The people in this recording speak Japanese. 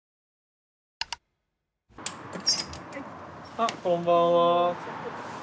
あこんばんは。